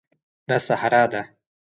دا صحرا ده